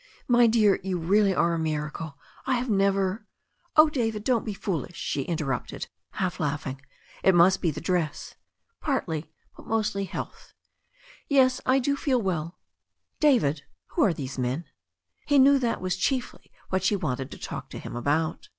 "My dear, you really are a miracle. I have never 0h, David, don't be foolish," she interrupted, half laugh ing. "It must be the dress." "Partly. But mostly health." "Yes, I do feel well. David, who are these men?" He knew that was chiefly what she wanted to talk to him about.